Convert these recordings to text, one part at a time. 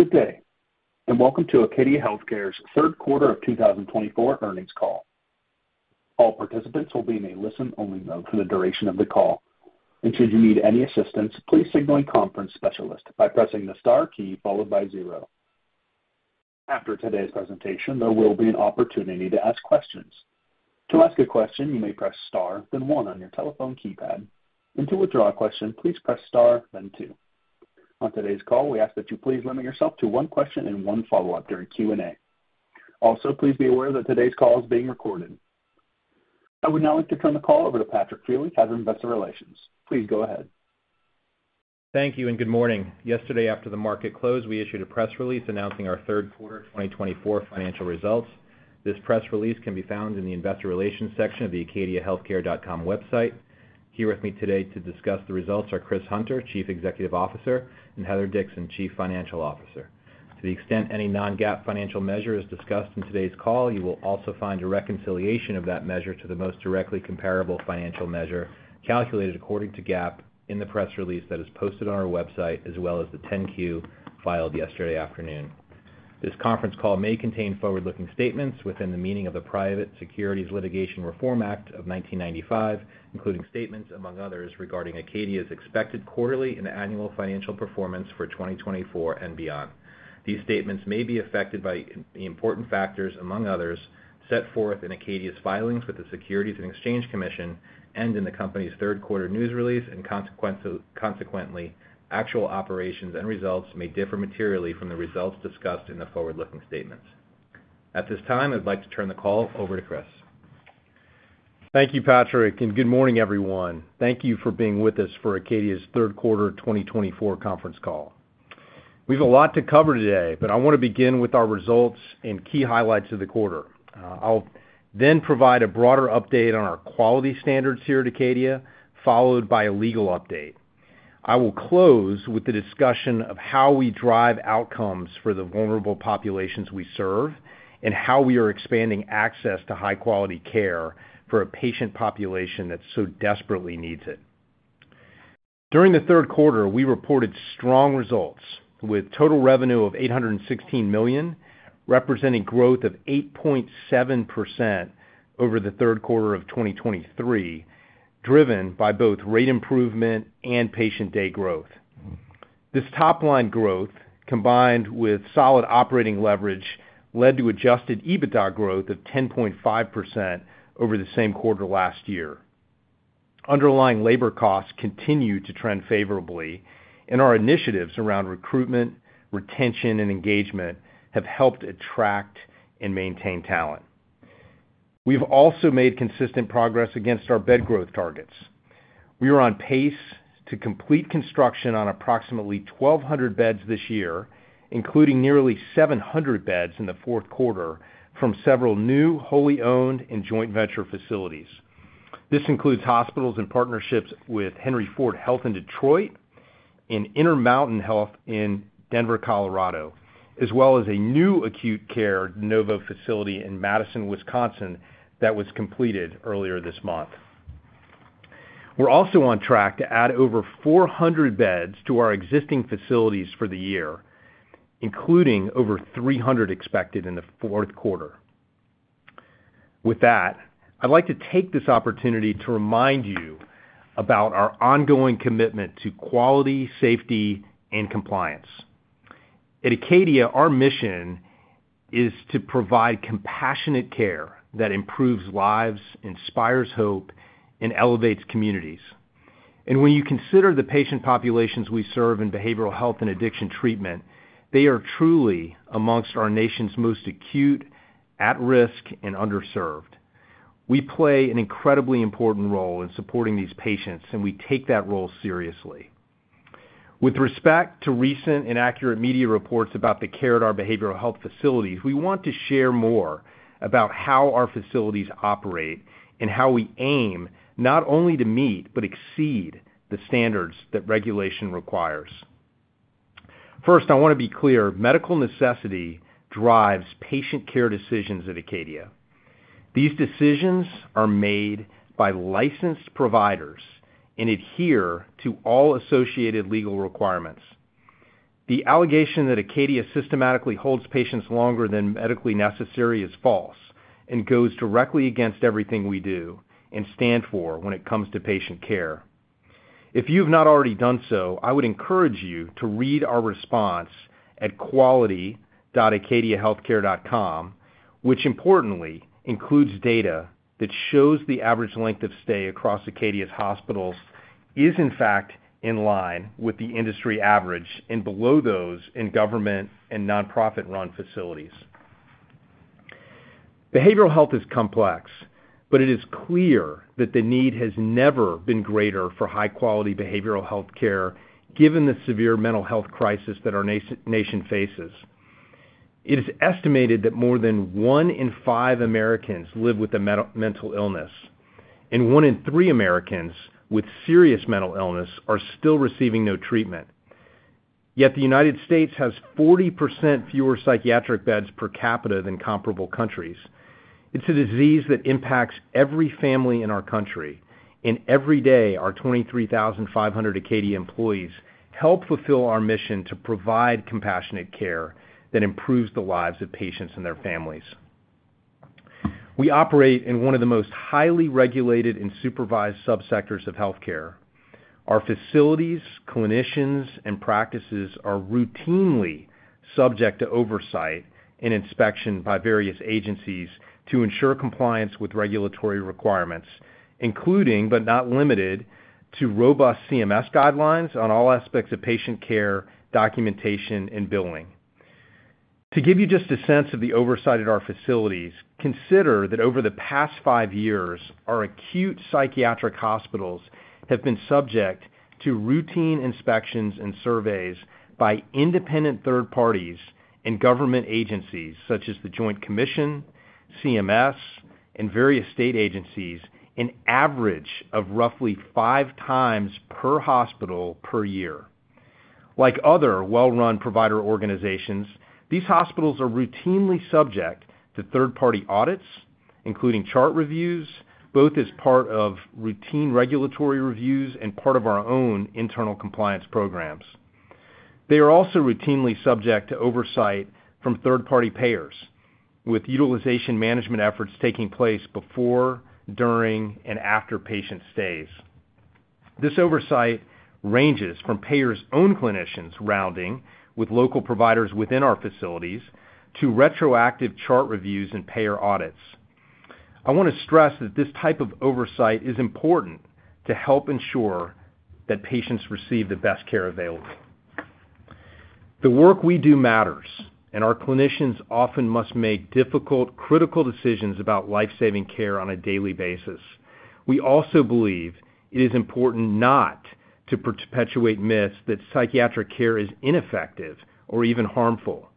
Good day and welcome to Acadia Healthcare's third quarter of 2024 Earnings Call. All participants will be in a listen-only mode for the duration of the call, and should you need any assistance, please signal a conference specialist by pressing the star key followed by zero. After today's presentation, there will be an opportunity to ask questions. To ask a question, you may press star, then one on your telephone keypad, and to withdraw a question, please press star, then two. On today's call, we ask that you please limit yourself to one question and one follow-up during Q&A. Also, please be aware that today's call is being recorded. I would now like to turn the call over to Patrick Feeley, Head of Investor Relations. Please go ahead. Thank you and good morning. Yesterday, after the market closed, we issued a press release announcing our third quarter 2024 financial results. This press release can be found in the Investor Relations section of the acadiahealthcare.com website. Here with me today to discuss the results are Chris Hunter, Chief Executive Officer, and Heather Dixon, Chief Financial Officer. To the extent any non-GAAP financial measure is discussed in today's call, you will also find a reconciliation of that measure to the most directly comparable financial measure calculated according to GAAP in the press release that is posted on our website, as well as the 10-Q filed yesterday afternoon. This conference call may contain forward-looking statements within the meaning of the Private Securities Litigation Reform Act of 1995, including statements, among others, regarding Acadia's expected quarterly and annual financial performance for 2024 and beyond. These statements may be affected by important factors, among others, set forth in Acadia's filings with the Securities and Exchange Commission and in the company's third quarter news release, and consequently, actual operations and results may differ materially from the results discussed in the forward-looking statements. At this time, I'd like to turn the call over to Chris. Thank you, Patrick, and good morning, everyone. Thank you for being with us for Acadia's third quarter 2024 conference call. We have a lot to cover today, but I want to begin with our results and key highlights of the quarter. I'll then provide a broader update on our quality standards here at Acadia, followed by a legal update. I will close with the discussion of how we drive outcomes for the vulnerable populations we serve and how we are expanding access to high-quality care for a patient population that so desperately needs it. During the third quarter, we reported strong results with total revenue of $816 million, representing growth of 8.7% over the third quarter of 2023, driven by both rate improvement and patient day growth. This top-line growth, combined with solid operating leverage, led to Adjusted EBITDA growth of 10.5% over the same quarter last year. Underlying labor costs continue to trend favorably, and our initiatives around recruitment, retention, and engagement have helped attract and maintain talent. We've also made consistent progress against our bed growth targets. We are on pace to complete construction on approximately 1,200 beds this year, including nearly 700 beds in the fourth quarter from several new, wholly-owned, and joint venture facilities. This includes hospitals and partnerships with Henry Ford Health in Detroit and Intermountain Health in Denver, Colorado, as well as a new acute care de novo facility in Madison, Wisconsin, that was completed earlier this month. We're also on track to add over 400 beds to our existing facilities for the year, including over 300 expected in the fourth quarter. With that, I'd like to take this opportunity to remind you about our ongoing commitment to quality, safety, and compliance. At Acadia, our mission is to provide compassionate care that improves lives, inspires hope, and elevates communities. And when you consider the patient populations we serve in behavioral health and addiction treatment, they are truly amongst our nation's most acute, at-risk, and underserved. We play an incredibly important role in supporting these patients, and we take that role seriously. With respect to recent inaccurate media reports about the care at our behavioral health facilities, we want to share more about how our facilities operate and how we aim not only to meet but exceed the standards that regulation requires. First, I want to be clear: medical necessity drives patient care decisions at Acadia. These decisions are made by licensed providers and adhere to all associated legal requirements. The allegation that Acadia systematically holds patients longer than medically necessary is false and goes directly against everything we do and stand for when it comes to patient care. If you have not already done so, I would encourage you to read our response at quality.acadiahealthcare.com, which importantly includes data that shows the average length of stay across Acadia's hospitals is, in fact, in line with the industry average and below those in government and nonprofit-run facilities. Behavioral health is complex, but it is clear that the need has never been greater for high-quality behavioral health care given the severe mental health crisis that our nation faces. It is estimated that more than one in five Americans live with a mental illness, and one in three Americans with serious mental illness are still receiving no treatment. Yet the United States has 40% fewer psychiatric beds per capita than comparable countries. It's a disease that impacts every family in our country, and every day our 23,500 Acadia employees help fulfill our mission to provide compassionate care that improves the lives of patients and their families. We operate in one of the most highly regulated and supervised subsectors of health care. Our facilities, clinicians, and practices are routinely subject to oversight and inspection by various agencies to ensure compliance with regulatory requirements, including but not limited to robust CMS guidelines on all aspects of patient care, documentation, and billing. To give you just a sense of the oversight at our facilities, consider that over the past five years, our acute psychiatric hospitals have been subject to routine inspections and surveys by independent third parties and government agencies such as The Joint Commission, CMS, and various state agencies an average of roughly five times per hospital per year. Like other well-run provider organizations, these hospitals are routinely subject to third-party audits, including chart reviews, both as part of routine regulatory reviews and part of our own internal compliance programs. They are also routinely subject to oversight from third-party payers, with utilization management efforts taking place before, during, and after patient stays. This oversight ranges from payers' own clinicians rounding with local providers within our facilities to retroactive chart reviews and payer audits. I want to stress that this type of oversight is important to help ensure that patients receive the best care available. The work we do matters, and our clinicians often must make difficult, critical decisions about lifesaving care on a daily basis. We also believe it is important not to perpetuate myths that psychiatric care is ineffective or even harmful.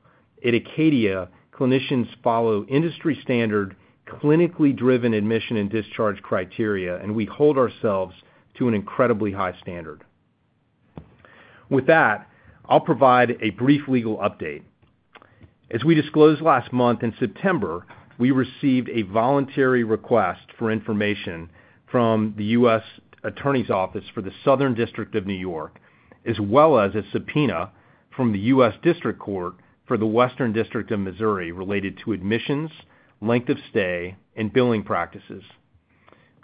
At Acadia, clinicians follow industry-standard clinically-driven admission and discharge criteria, and we hold ourselves to an incredibly high standard. With that, I'll provide a brief legal update. As we disclosed last month, in September, we received a voluntary request for information from the U.S. Attorney's Office for the Southern District of New York, as well as a subpoena from the U.S. District Court for the Western District of Missouri related to admissions, length of stay, and billing practices.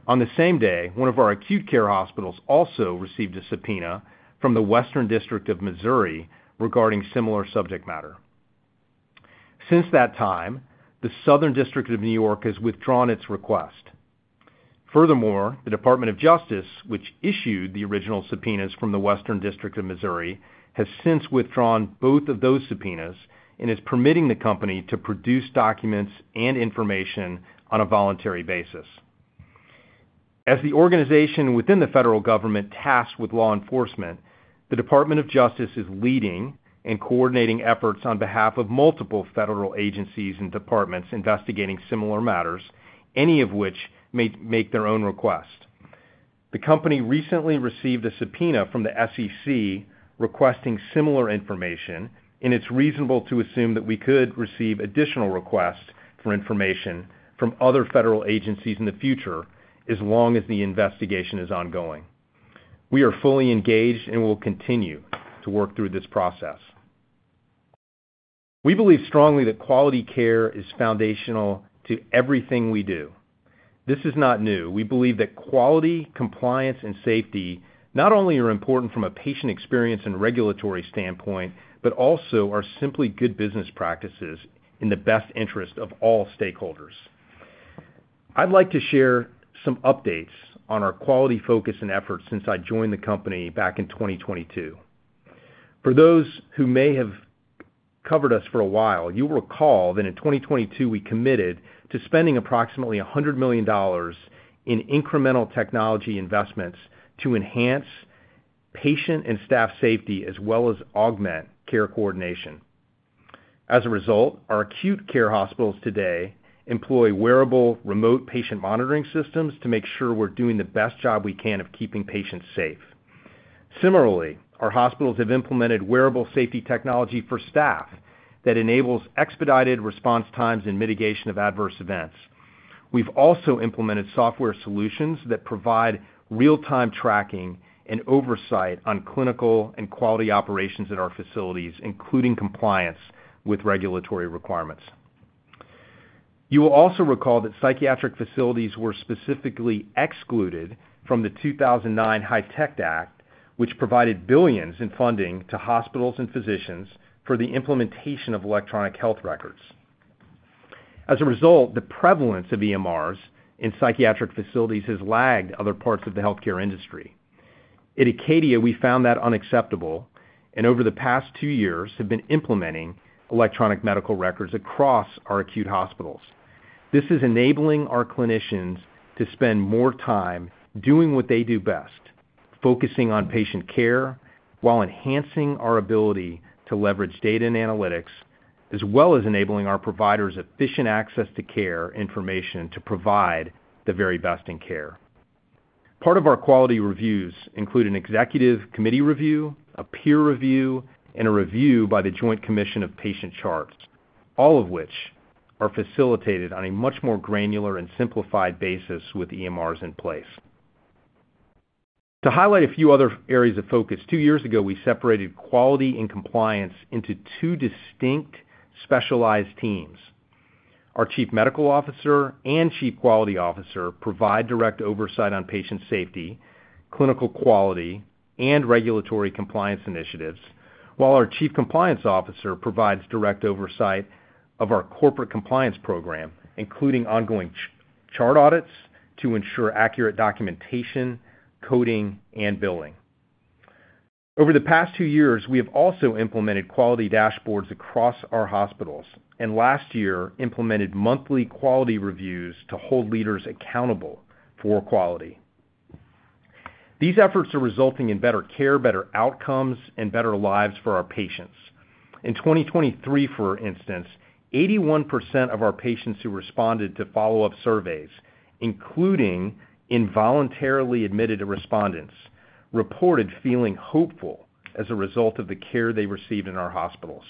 On the same day, one of our acute care hospitals also received a subpoena from the Western District of Missouri regarding similar subject matter. Since that time, the Southern District of New York has withdrawn its request. Furthermore, the Department of Justice, which issued the original subpoenas from the Western District of Missouri, has since withdrawn both of those subpoenas and is permitting the company to produce documents and information on a voluntary basis. As the organization within the federal government tasked with law enforcement, the Department of Justice is leading and coordinating efforts on behalf of multiple federal agencies and departments investigating similar matters, any of which may make their own request. The company recently received a subpoena from the SEC requesting similar information, and it's reasonable to assume that we could receive additional requests for information from other federal agencies in the future as long as the investigation is ongoing. We are fully engaged and will continue to work through this process. We believe strongly that quality care is foundational to everything we do. This is not new. We believe that quality, compliance, and safety not only are important from a patient experience and regulatory standpoint but also are simply good business practices in the best interest of all stakeholders. I'd like to share some updates on our quality focus and efforts since I joined the company back in 2022. For those who may have covered us for a while, you'll recall that in 2022, we committed to spending approximately $100 million in incremental technology investments to enhance patient and staff safety as well as augment care coordination. As a result, our acute care hospitals today employ wearable remote patient monitoring systems to make sure we're doing the best job we can of keeping patients safe. Similarly, our hospitals have implemented wearable safety technology for staff that enables expedited response times and mitigation of adverse events. We've also implemented software solutions that provide real-time tracking and oversight on clinical and quality operations at our facilities, including compliance with regulatory requirements. You will also recall that psychiatric facilities were specifically excluded from the 2009 HITECH Act, which provided billions in funding to hospitals and physicians for the implementation of electronic health records. As a result, the prevalence of EMRs in psychiatric facilities has lagged other parts of the health care industry. At Acadia, we found that unacceptable, and over the past two years, have been implementing electronic medical records across our acute hospitals. This is enabling our clinicians to spend more time doing what they do best, focusing on patient care while enhancing our ability to leverage data and analytics, as well as enabling our providers' efficient access to care information to provide the very best in care. Part of our quality reviews include an executive committee review, a peer review, and a review by the Joint Commission of patient charts, all of which are facilitated on a much more granular and simplified basis with EMRs in place. To highlight a few other areas of focus, two years ago, we separated quality and compliance into two distinct specialized teams. Our Chief Medical Officer and Chief Quality Officer provide direct oversight on patient safety, clinical quality, and regulatory compliance initiatives, while our Chief Compliance Officer provides direct oversight of our corporate compliance program, including ongoing chart audits to ensure accurate documentation, coding, and billing. Over the past two years, we have also implemented quality dashboards across our hospitals and last year implemented monthly quality reviews to hold leaders accountable for quality. These efforts are resulting in better care, better outcomes, and better lives for our patients. In 2023, for instance, 81% of our patients who responded to follow-up surveys, including involuntarily admitted respondents, reported feeling hopeful as a result of the care they received in our hospitals,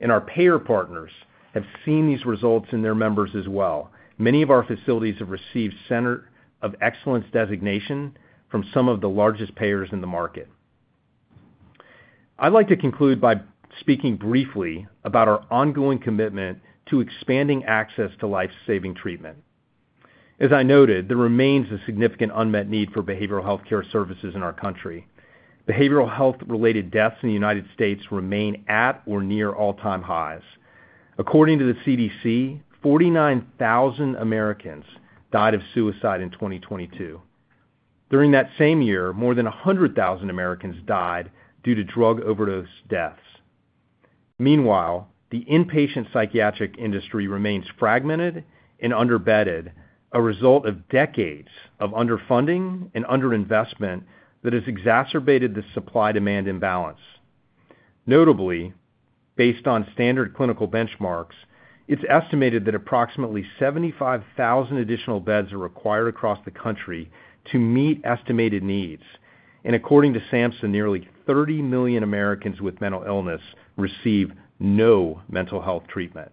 and our payer partners have seen these results in their members as well. Many of our facilities have received Center of Excellence designation from some of the largest payers in the market. I'd like to conclude by speaking briefly about our ongoing commitment to expanding access to lifesaving treatment. As I noted, there remains a significant unmet need for behavioral health care services in our country. Behavioral health-related deaths in the United States remain at or near all-time highs. According to the CDC, 49,000 Americans died of suicide in 2022. During that same year, more than 100,000 Americans died due to drug overdose deaths. Meanwhile, the inpatient psychiatric industry remains fragmented and underbedded as a result of decades of underfunding and underinvestment that has exacerbated the supply-demand imbalance. Notably, based on standard clinical benchmarks, it's estimated that approximately 75,000 additional beds are required across the country to meet estimated needs, and according to SAMHSA, nearly 30 million Americans with mental illness receive no mental health treatment.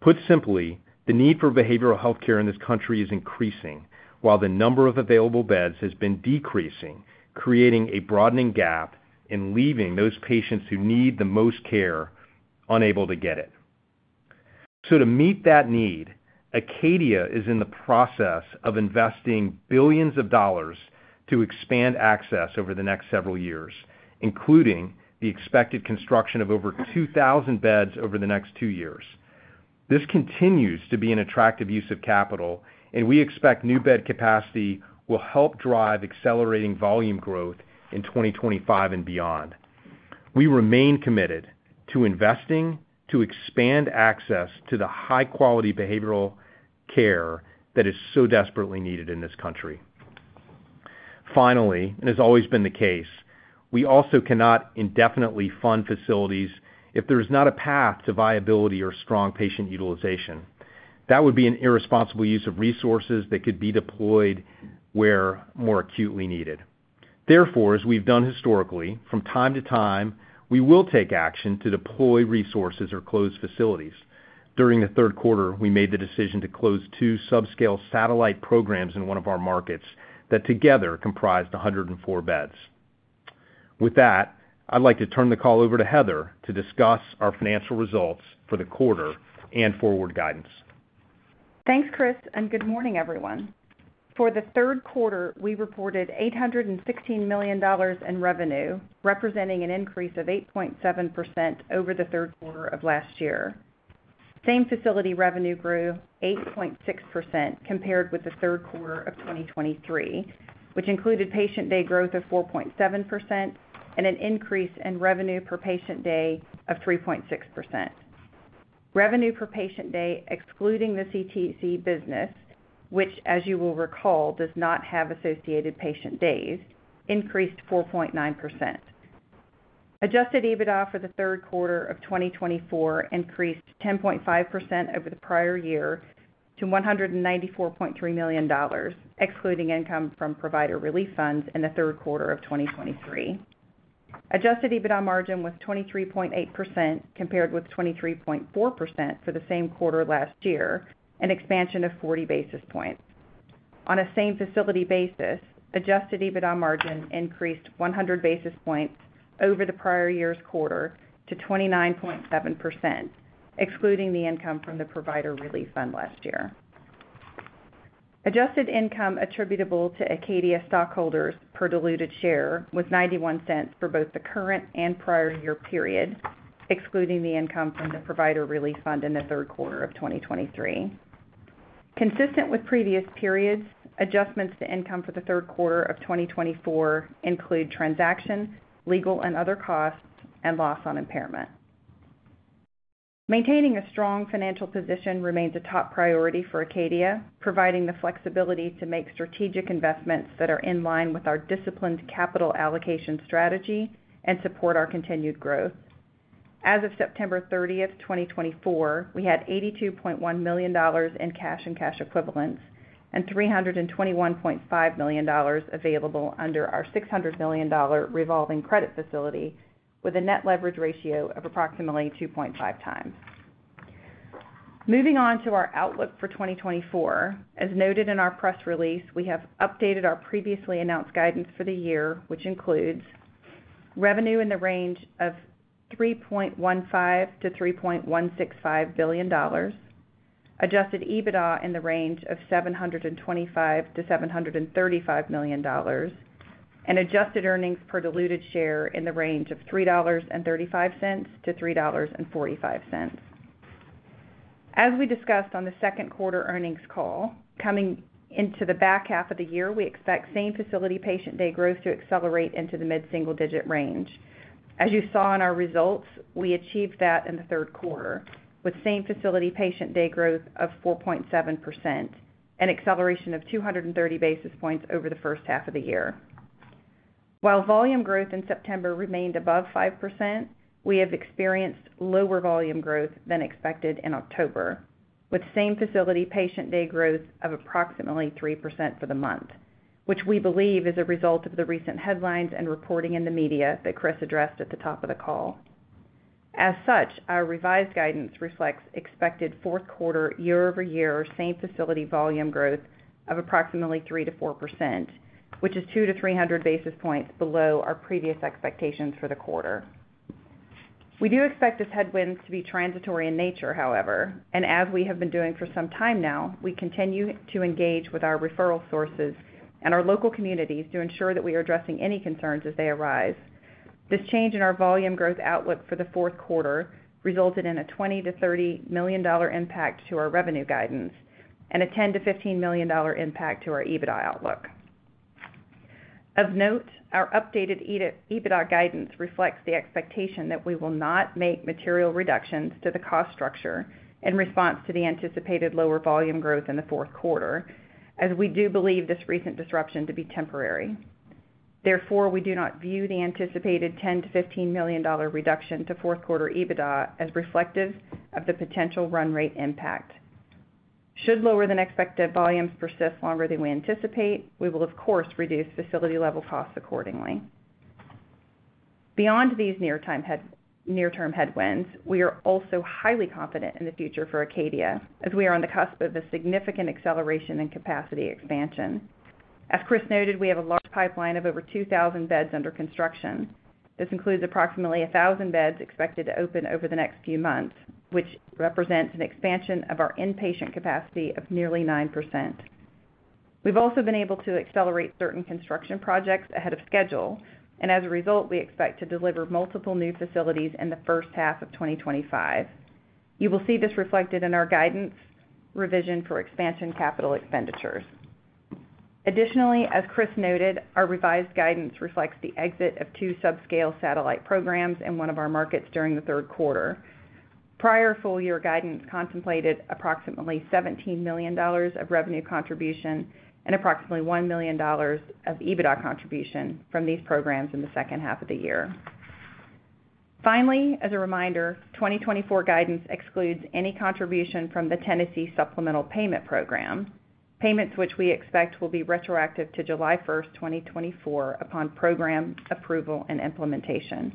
Put simply, the need for behavioral health care in this country is increasing, while the number of available beds has been decreasing, creating a broadening gap and leaving those patients who need the most care unable to get it, so to meet that need, Acadia is in the process of investing billions of dollars to expand access over the next several years, including the expected construction of over 2,000 beds over the next two years. This continues to be an attractive use of capital, and we expect new bed capacity will help drive accelerating volume growth in 2025 and beyond. We remain committed to investing to expand access to the high-quality behavioral care that is so desperately needed in this country. Finally, as has always been the case, we also cannot indefinitely fund facilities if there is not a path to viability or strong patient utilization. That would be an irresponsible use of resources that could be deployed where more acutely needed. Therefore, as we've done historically, from time to time, we will take action to deploy resources or close facilities. During the third quarter, we made the decision to close two subscale satellite programs in one of our markets that together comprised 104 beds. With that, I'd like to turn the call over to Heather to discuss our financial results for the quarter and forward guidance. Thanks, Chris, and good morning, everyone. For the third quarter, we reported $816 million in revenue, representing an increase of 8.7% over the third quarter of last year. Same facility revenue grew 8.6% compared with the third quarter of 2023, which included patient day growth of 4.7% and an increase in revenue per patient day of 3.6%. Revenue per patient day, excluding the CTC business, which, as you will recall, does not have associated patient days, increased 4.9%. Adjusted EBITDA for the third quarter of 2024 increased 10.5% over the prior year to $194.3 million, excluding income from Provider Relief Funds in the third quarter of 2023. Adjusted EBITDA margin was 23.8% compared with 23.4% for the same quarter last year, an expansion of 40 basis points. On a same facility basis, Adjusted EBITDA margin increased 100 basis points over the prior year's quarter to 29.7%, excluding the income from the Provider Relief Fund last year. Adjusted income attributable to Acadia stockholders per diluted share was $0.91 for both the current and prior year period, excluding the income from the Provider Relief Fund in the third quarter of 2023. Consistent with previous periods, adjustments to income for the third quarter of 2024 include transaction, legal and other costs, and loss on impairment. Maintaining a strong financial position remains a top priority for Acadia, providing the flexibility to make strategic investments that are in line with our disciplined capital allocation strategy and support our continued growth. As of September 30th, 2024, we had $82.1 million in cash and cash equivalents and $321.5 million available under our $600 million revolving credit facility with a net leverage ratio of approximately 2.5 times. Moving on to our outlook for 2024, as noted in our press release, we have updated our previously announced guidance for the year, which includes revenue in the range of $3.15-$3.165 billion, Adjusted EBITDA in the range of $725-$735 million, and Adjusted Earnings per Diluted Share in the range of $3.35-$3.45. As we discussed on the second quarter earnings call, coming into the back half of the year, we expect same facility patient day growth to accelerate into the mid-single digit range. As you saw in our results, we achieved that in the third quarter with same facility patient day growth of 4.7% and acceleration of 230 basis points over the first half of the year. While volume growth in September remained above 5%, we have experienced lower volume growth than expected in October with same facility patient day growth of approximately 3% for the month, which we believe is a result of the recent headlines and reporting in the media that Chris addressed at the top of the call. As such, our revised guidance reflects expected fourth quarter year-over-year same facility volume growth of approximately 3%-4%, which is 2-300 basis points below our previous expectations for the quarter. We do expect this headwind to be transitory in nature, however, and as we have been doing for some time now, we continue to engage with our referral sources and our local communities to ensure that we are addressing any concerns as they arise. This change in our volume growth outlook for the fourth quarter resulted in a $20-$30 million impact to our revenue guidance and a $10-$15 million impact to our EBITDA outlook. Of note, our updated EBITDA guidance reflects the expectation that we will not make material reductions to the cost structure in response to the anticipated lower volume growth in the fourth quarter, as we do believe this recent disruption to be temporary. Therefore, we do not view the anticipated $10-$15 million reduction to fourth quarter EBITDA as reflective of the potential run rate impact. Should lower than expected volumes persist longer than we anticipate, we will, of course, reduce facility-level costs accordingly. Beyond these near-term headwinds, we are also highly confident in the future for Acadia, as we are on the cusp of a significant acceleration in capacity expansion. As Chris noted, we have a large pipeline of over 2,000 beds under construction. This includes approximately 1,000 beds expected to open over the next few months, which represents an expansion of our inpatient capacity of nearly 9%. We've also been able to accelerate certain construction projects ahead of schedule, and as a result, we expect to deliver multiple new facilities in the first half of 2025. You will see this reflected in our guidance revision for expansion capital expenditures. Additionally, as Chris noted, our revised guidance reflects the exit of two subscale satellite programs in one of our markets during the third quarter. Prior full-year guidance contemplated approximately $17 million of revenue contribution and approximately $1 million of EBITDA contribution from these programs in the second half of the year. Finally, as a reminder, 2024 guidance excludes any contribution from the Tennessee Supplemental Payment Program, payments which we expect will be retroactive to July 1st, 2024, upon program approval and implementation.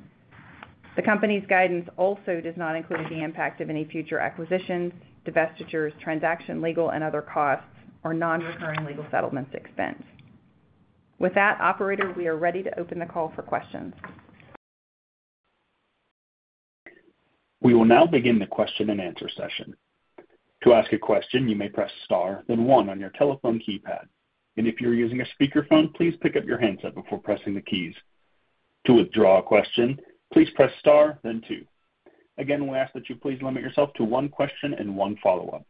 The company's guidance also does not include the impact of any future acquisitions, divestitures, transaction legal, and other costs, or non-recurring legal settlements expense. With that, Operator, we are ready to open the call for questions. We will now begin the question and answer session. To ask a question, you may press star, then one on your telephone keypad. And if you're using a speakerphone, please pick up your handset before pressing the keys. To withdraw a question, please press star, then two. Again, we ask that you please limit yourself to one question and one follow-up.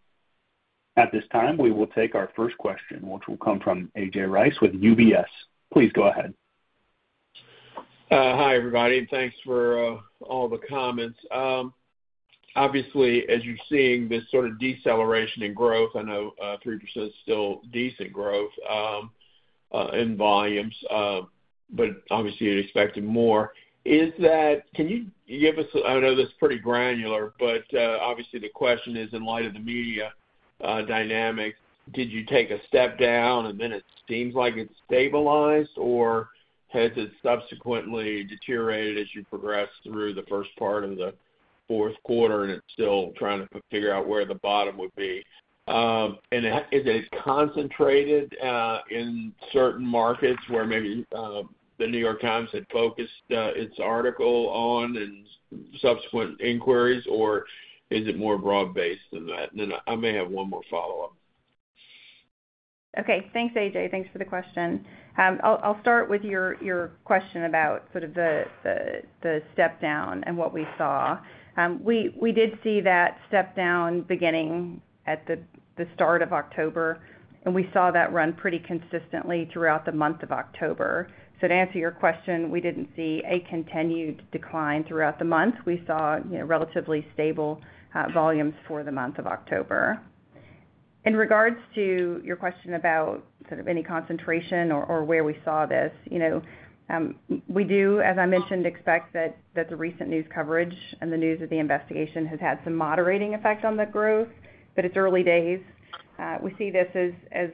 At this time, we will take our first question, which will come from AJ Rice with UBS. Please go ahead. Hi, everybody. Thanks for all the comments. Obviously, as you're seeing this sort of deceleration in growth, I know 3% is still decent growth in volumes, but obviously, you'd expect it more. Can you give us, I know this is pretty granular, but obviously, the question is, in light of the media dynamic, did you take a step down and then it seems like it stabilized, or has it subsequently deteriorated as you progressed through the first part of the fourth quarter and it's still trying to figure out where the bottom would be? And is it concentrated in certain markets where maybe The New York Times had focused its article on and subsequent inquiries, or is it more broad-based than that? And then I may have one more follow-up. Okay. Thanks, AJ. Thanks for the question. I'll start with your question about sort of the step down and what we saw. We did see that step down beginning at the start of October, and we saw that run pretty consistently throughout the month of October. So to answer your question, we didn't see a continued decline throughout the month. We saw relatively stable volumes for the month of October. In regards to your question about sort of any concentration or where we saw this, we do, as I mentioned, expect that the recent news coverage and the news of the investigation has had some moderating effect on the growth, but it's early days. We see this as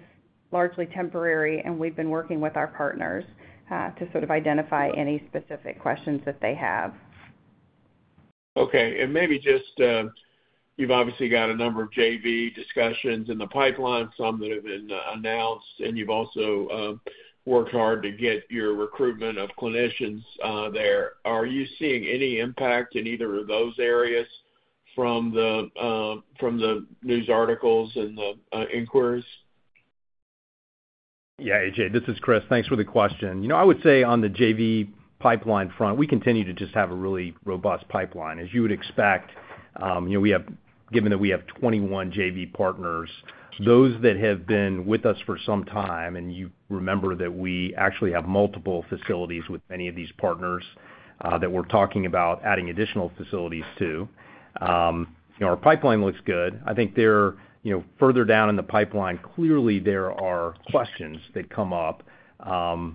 largely temporary, and we've been working with our partners to sort of identify any specific questions that they have. Okay. And maybe just you've obviously got a number of JV discussions in the pipeline, some that have been announced, and you've also worked hard to get your recruitment of clinicians there. Are you seeing any impact in either of those areas from the news articles and the inquiries? Yeah, AJ, this is Chris. Thanks for the question. I would say on the JV pipeline front, we continue to just have a really robust pipeline. As you would expect, given that we have 21 JV partners, those that have been with us for some time, and you remember that we actually have multiple facilities with many of these partners that we're talking about adding additional facilities to, our pipeline looks good. I think further down in the pipeline, clearly, there are questions that come up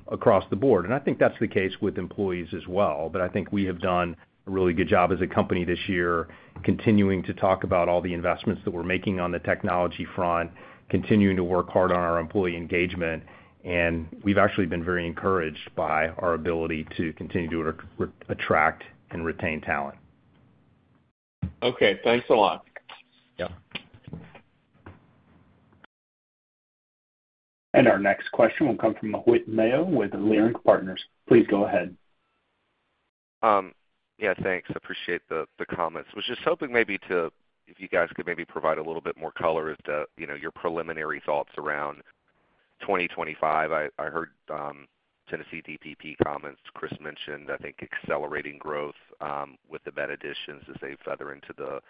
across the board. And I think that's the case with employees as well. But I think we have done a really good job as a company this year, continuing to talk about all the investments that we're making on the technology front, continuing to work hard on our employee engagement. And we've actually been very encouraged by our ability to continue to attract and retain talent. Okay. Thanks a lot. Yeah. And our next question will come from Whit Mayo with Leerink Partners. Please go ahead. Yeah, thanks. Appreciate the comments. Was just hoping maybe to, if you guys could maybe provide a little bit more color as to your preliminary thoughts around 2025. I heard Tennessee SPP comments. Chris mentioned, I think, accelerating growth with the bed additions as they feather into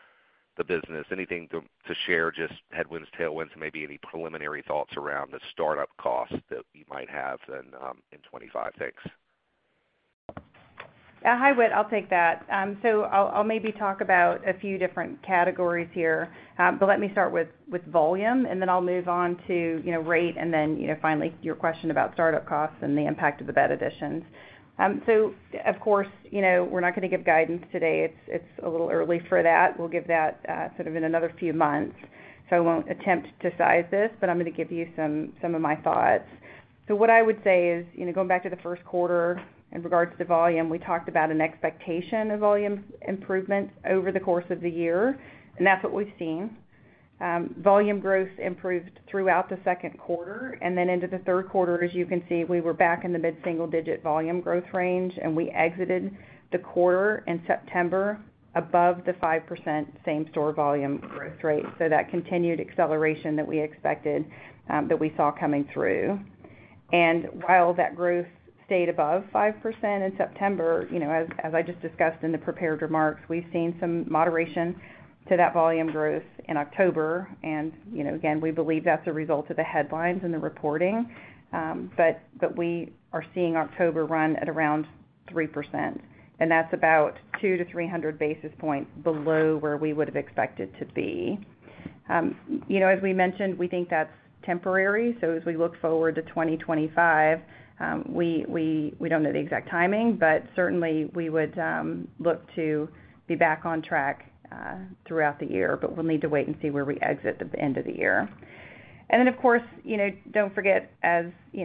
the business. Anything to share, just headwinds, tailwinds, and maybe any preliminary thoughts around the startup costs that you might have in '25. Thanks. Yeah. Hi, Whit. I'll take that. So I'll maybe talk about a few different categories here. But let me start with volume, and then I'll move on to rate, and then finally, your question about startup costs and the impact of the bed additions. So, of course, we're not going to give guidance today. It's a little early for that. We'll give that sort of in another few months. So I won't attempt to size this, but I'm going to give you some of my thoughts. So what I would say is, going back to the first quarter in regards to volume, we talked about an expectation of volume improvement over the course of the year, and that's what we've seen. Volume growth improved throughout the second quarter. And then into the third quarter, as you can see, we were back in the mid-single digit volume growth range, and we exited the quarter in September above the 5% same-store volume growth rate. So that continued acceleration that we expected that we saw coming through. And while that growth stayed above 5% in September, as I just discussed in the prepared remarks, we've seen some moderation to that volume growth in October. And again, we believe that's a result of the headlines and the reporting. But we are seeing October run at around 3%. And that's about 2 to 300 basis points below where we would have expected to be. As we mentioned, we think that's temporary. So as we look forward to 2025, we don't know the exact timing, but certainly, we would look to be back on track throughout the year. We'll need to wait and see where we exit at the end of the year. Then, of course, don't forget, as we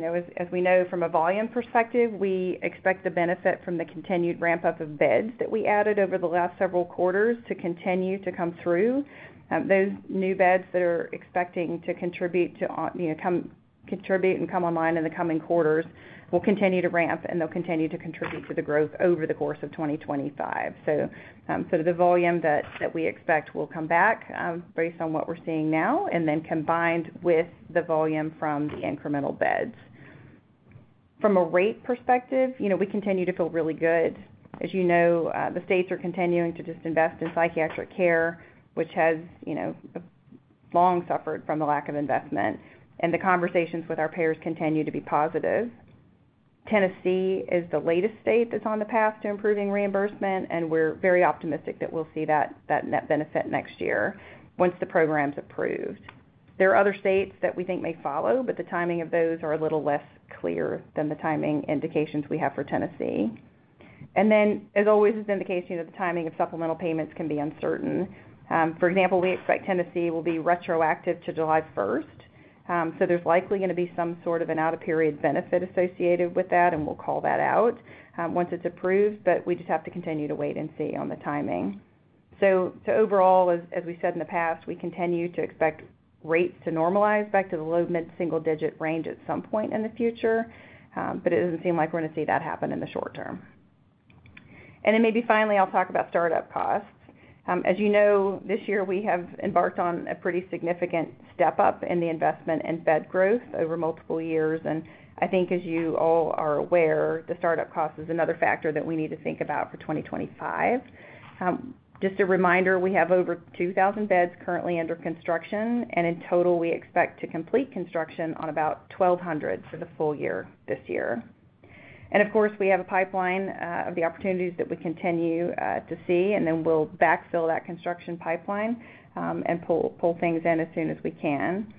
know from a volume perspective, we expect the benefit from the continued ramp-up of beds that we added over the last several quarters to continue to come through. Those new beds that are expecting to contribute and come online in the coming quarters will continue to ramp, and they'll continue to contribute to the growth over the course of 2025. The volume that we expect will come back based on what we're seeing now and then combined with the volume from the incremental beds. From a rate perspective, we continue to feel really good. As you know, the states are continuing to just invest in psychiatric care, which has long suffered from the lack of investment. The conversations with our payers continue to be positive. Tennessee is the latest state that's on the path to improving reimbursement, and we're very optimistic that we'll see that net benefit next year once the program's approved. There are other states that we think may follow, but the timing of those are a little less clear than the timing indications we have for Tennessee. Then, as always has been the case, the timing of supplemental payments can be uncertain. For example, we expect Tennessee will be retroactive to July 1st. There's likely going to be some sort of an out-of-period benefit associated with that, and we'll call that out once it's approved. We just have to continue to wait and see on the timing. So overall, as we said in the past, we continue to expect rates to normalize back to the low mid-single digit range at some point in the future. But it doesn't seem like we're going to see that happen in the short term. And then maybe finally, I'll talk about startup costs. As you know, this year, we have embarked on a pretty significant step-up in the investment and bed growth over multiple years. And I think, as you all are aware, the startup cost is another factor that we need to think about for 2025. Just a reminder, we have over 2,000 beds currently under construction, and in total, we expect to complete construction on about 1,200 for the full year this year. Of course, we have a pipeline of the opportunities that we continue to see, and then we'll backfill that construction pipeline and pull things in as soon as we can.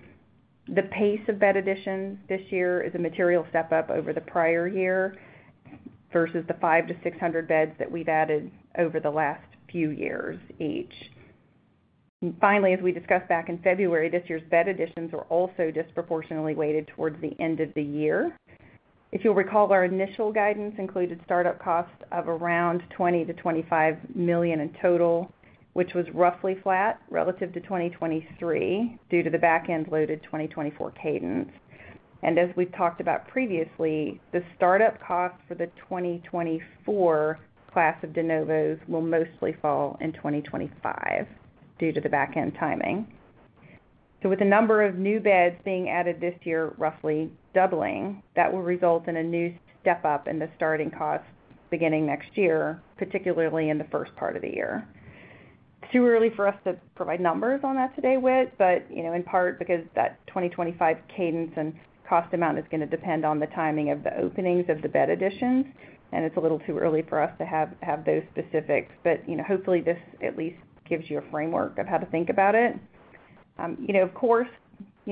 The pace of bed additions this year is a material step-up over the prior year versus the five to 600 beds that we've added over the last few years each. Finally, as we discussed back in February, this year's bed additions are also disproportionately weighted towards the end of the year. If you'll recall, our initial guidance included startup costs of around $20-25 million in total, which was roughly flat relative to 2023 due to the back-end-loaded 2024 cadence. As we've talked about previously, the startup cost for the 2024 class of de novos will mostly fall in 2025 due to the back-end timing. With the number of new beds being added this year roughly doubling, that will result in a new step-up in the starting costs beginning next year, particularly in the first part of the year. It's too early for us to provide numbers on that today, Whit, but in part because that 2025 cadence and cost amount is going to depend on the timing of the openings of the bed additions. It's a little too early for us to have those specifics. Hopefully, this at least gives you a framework of how to think about it. Of course,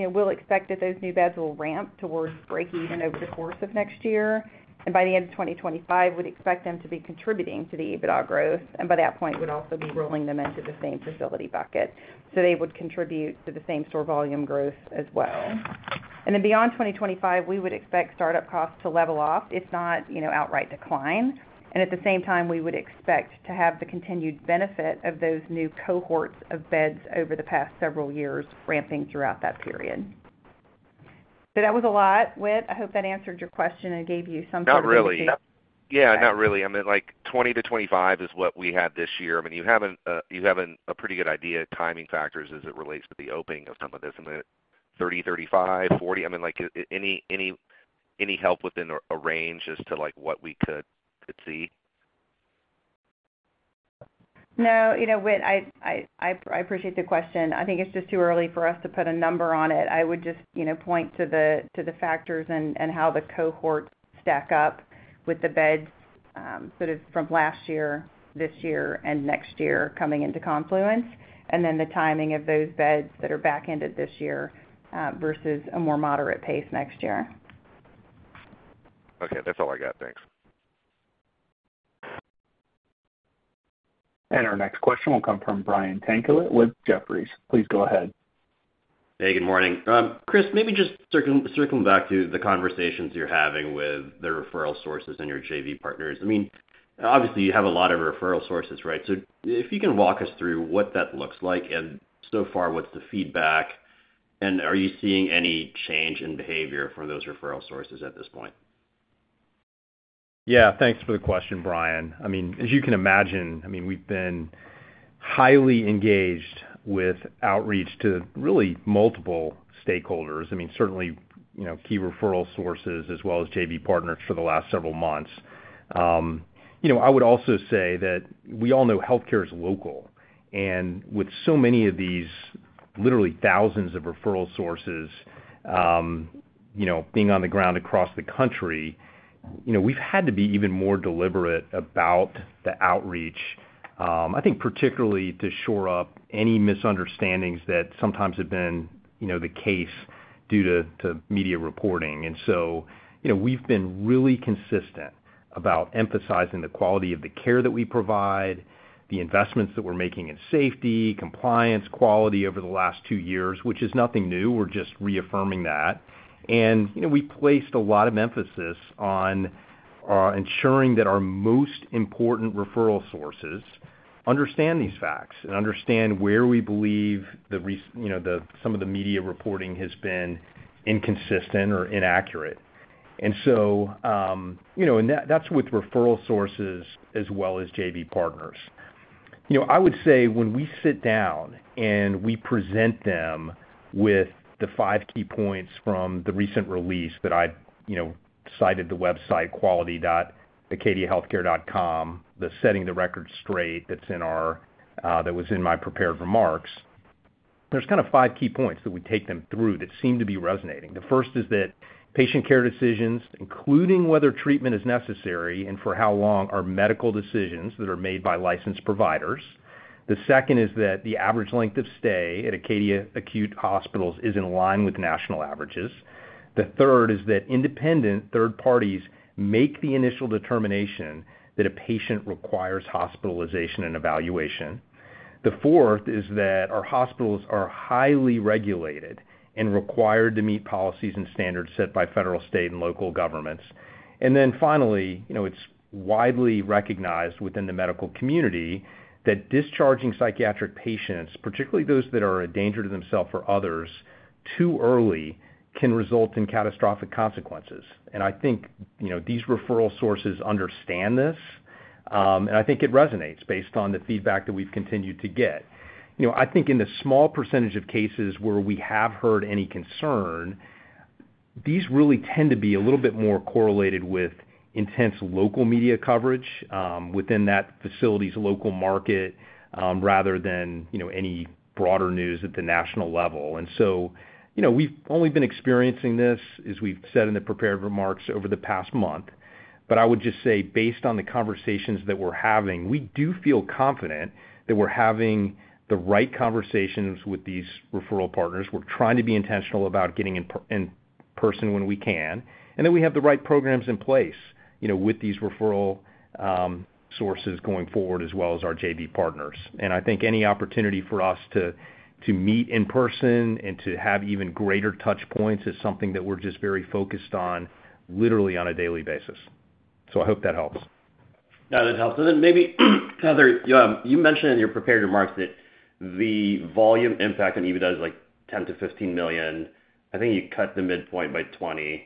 we'll expect that those new beds will ramp towards break-even over the course of next year. By the end of 2025, we'd expect them to be contributing to the EBITDA growth. By that point, we'd also be rolling them into the same facility bucket. So they would contribute to the same-store volume growth as well. And then beyond 2025, we would expect startup costs to level off if not outright decline. And at the same time, we would expect to have the continued benefit of those new cohorts of beds over the past several years ramping throughout that period. So that was a lot, Whit. I hope that answered your question and gave you some sort of answer. Yeah, not really. I mean, 20-25 is what we had this year. I mean, you have a pretty good idea of timing factors as it relates to the opening of some of this. I mean, 30, 35, 40. I mean, any help within a range as to what we could see? No, Whit, I appreciate the question. I think it's just too early for us to put a number on it. I would just point to the factors and how the cohorts stack up with the beds sort of from last year, this year, and next year coming into confluence, and then the timing of those beds that are back-ended this year versus a more moderate pace next year. Okay. That's all I got. Thanks. And our next question will come from Brian Tanquilut with Jefferies. Please go ahead. Hey, good morning. Chris, maybe just circling back to the conversations you're having with the referral sources and your JV partners. I mean, obviously, you have a lot of referral sources, right? So if you can walk us through what that looks like and so far what's the feedback, and are you seeing any change in behavior from those referral sources at this point? Yeah. Thanks for the question, Brian. I mean, as you can imagine, I mean, we've been highly engaged with outreach to really multiple stakeholders. I mean, certainly key referral sources as well as JV partners for the last several months. I would also say that we all know healthcare is local, and with so many of these, literally thousands of referral sources being on the ground across the country, we've had to be even more deliberate about the outreach, I think, particularly to shore up any misunderstandings that sometimes have been the case due to media reporting, and so we've been really consistent about emphasizing the quality of the care that we provide, the investments that we're making in safety, compliance, quality over the last two years, which is nothing new. We're just reaffirming that. And we placed a lot of emphasis on ensuring that our most important referral sources understand these facts and understand where we believe some of the media reporting has been inconsistent or inaccurate. And so that's with referral sources as well as JV partners. I would say when we sit down and we present them with the five key points from the recent release that I cited the website quality.acadiahealthcare.com, the setting the record straight that was in my prepared remarks, there's kind of five key points that we take them through that seem to be resonating. The first is that patient care decisions, including whether treatment is necessary and for how long, are medical decisions that are made by licensed providers. The second is that the average length of stay at Acadia Acute Hospitals is in line with national averages. The third is that independent third parties make the initial determination that a patient requires hospitalization and evaluation. The fourth is that our hospitals are highly regulated and required to meet policies and standards set by federal, state, and local governments. And then finally, it's widely recognized within the medical community that discharging psychiatric patients, particularly those that are a danger to themselves or others, too early can result in catastrophic consequences. And I think these referral sources understand this. And I think it resonates based on the feedback that we've continued to get. I think in the small percentage of cases where we have heard any concern, these really tend to be a little bit more correlated with intense local media coverage within that facility's local market rather than any broader news at the national level. And so we've only been experiencing this, as we've said in the prepared remarks, over the past month. But I would just say, based on the conversations that we're having, we do feel confident that we're having the right conversations with these referral partners. We're trying to be intentional about getting in person when we can. And then we have the right programs in place with these referral sources going forward as well as our JV partners. And I think any opportunity for us to meet in person and to have even greater touchpoints is something that we're just very focused on, literally on a daily basis. So I hope that helps. No, that helps. And then maybe you mentioned in your prepared remarks that the volume impact on EBITDA is like $10 million-$15 million. I think you cut the midpoint by $20 million.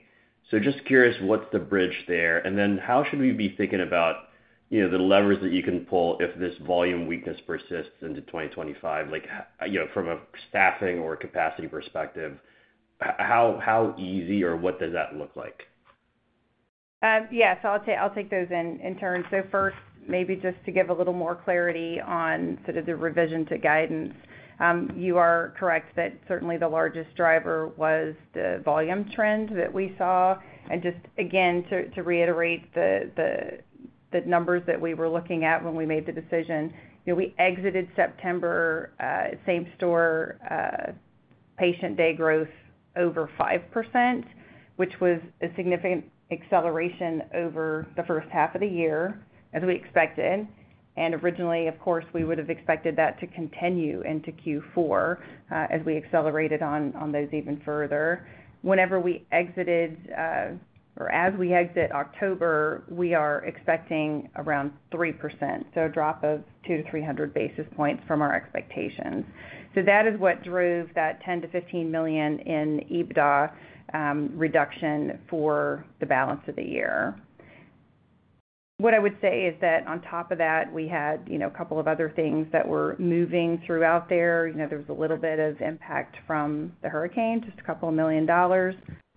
So just curious, what's the bridge there? And then how should we be thinking about the levers that you can pull if this volume weakness persists into 2025? From a staffing or capacity perspective, how easy or what does that look like? Yeah. So I'll take those in turn. So first, maybe just to give a little more clarity on sort of the revision to guidance, you are correct that certainly the largest driver was the volume trend that we saw. And just again, to reiterate the numbers that we were looking at when we made the decision, we exited September same-store patient day growth over 5%, which was a significant acceleration over the first half of the year, as we expected. And originally, of course, we would have expected that to continue into Q4 as we accelerated on those even further. Whenever we exited or as we exit October, we are expecting around 3%, so a drop of 2 to 300 basis points from our expectations. So that is what drove that $10 million-$15 million in EBITDA reduction for the balance of the year. What I would say is that on top of that, we had a couple of other things that were moving throughout there. There was a little bit of impact from the hurricane, just $2 million,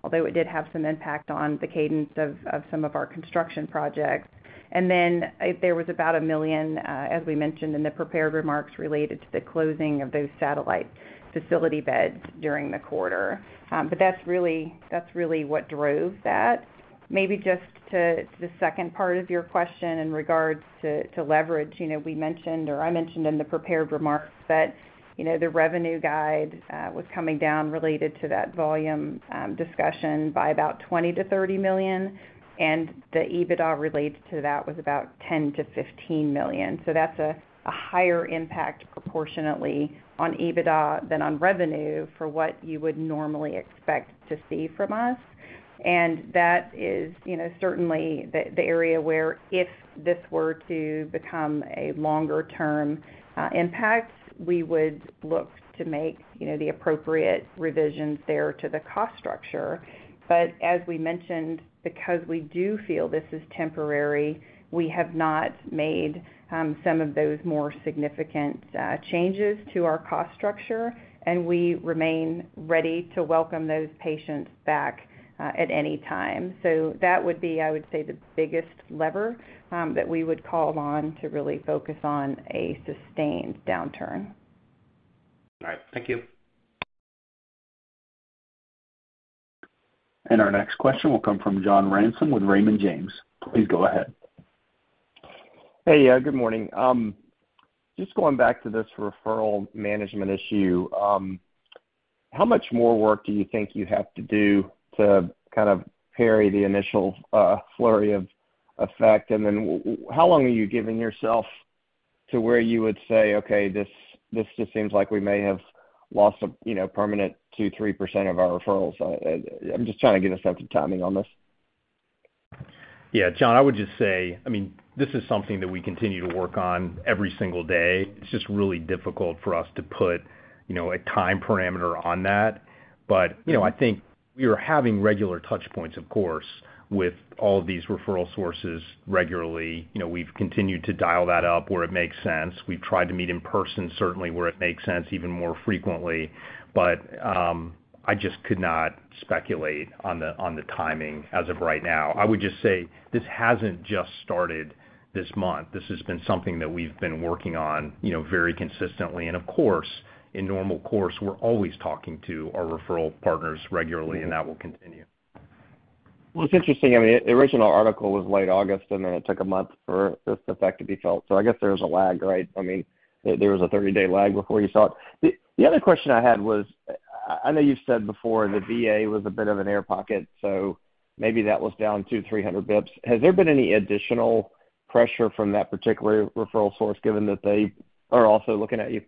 although it did have some impact on the cadence of some of our construction projects. Then there was about $1 million, as we mentioned in the prepared remarks, related to the closing of those satellite facility beds during the quarter. That's really what drove that. Maybe just to the second part of your question in regards to leverage, we mentioned or I mentioned in the prepared remarks that the revenue guide was coming down related to that volume discussion by about $20 million-$30 million. And the EBITDA related to that was about $10 million-$15 million. So that's a higher impact proportionately on EBITDA than on revenue for what you would normally expect to see from us. And that is certainly the area where if this were to become a longer-term impact, we would look to make the appropriate revisions there to the cost structure. But as we mentioned, because we do feel this is temporary, we have not made some of those more significant changes to our cost structure. And we remain ready to welcome those patients back at any time. So that would be, I would say, the biggest lever that we would call on to really focus on a sustained downturn. All right. Thank you. And our next question will come from John Ransom with Raymond James. Please go ahead. Hey, good morning. Just going back to this referral management issue, how much more work do you think you have to do to kind of parry the initial flurry of effect? And then how long are you giving yourself to where you would say, "Okay, this just seems like we may have lost a permanent 2-3% of our referrals"? I'm just trying to get a sense of timing on this. Yeah. John, I would just say, I mean, this is something that we continue to work on every single day. It's just really difficult for us to put a time parameter on that. I think we are having regular touchpoints, of course, with all of these referral sources regularly. We've continued to dial that up where it makes sense. We've tried to meet in person, certainly, where it makes sense even more frequently. But I just could not speculate on the timing as of right now. I would just say this hasn't just started this month. This has been something that we've been working on very consistently. And of course, in normal course, we're always talking to our referral partners regularly, and that will continue. It's interesting. I mean, the original article was late August, and then it took a month for this effect to be felt. So I guess there was a lag, right? I mean, there was a 30-day lag before you saw it. The other question I had was, I know you've said before the VA was a bit of an air pocket, so maybe that was down 2,300 basis points. Has there been any additional pressure from that particular referral source given that they are also looking at you?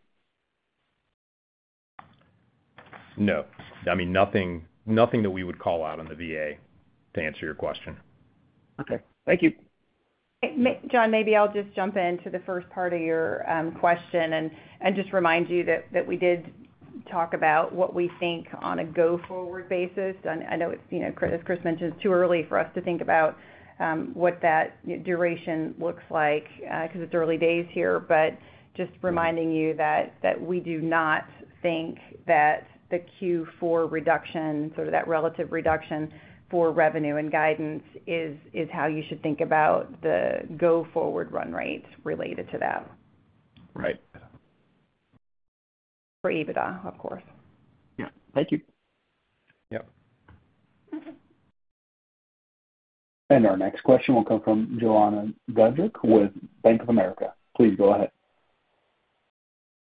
No. I mean, nothing that we would call out on the VA to answer your question. Okay. Thank you. John, maybe I'll just jump into the first part of your question and just remind you that we did talk about what we think on a go-forward basis. I know Chris mentioned it's too early for us to think about what that duration looks like because it's early days here. But just reminding you that we do not think that the Q4 reduction, sort of that relative reduction for revenue and guidance is how you should think about the go-forward run rate related to that. Right. For EBITDA, of course. Yeah. Thank you. Yep. And our next question will come from Joanna Gajuk with Bank of America. Please go ahead.